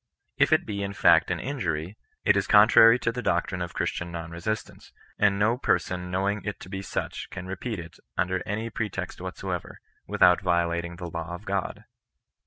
If it be in fact an injury, it is con trary to the doctrine of Christian non resistance ; and no person knowing it to be such can repeat it under any pretext whatsoever, without violating the law of God.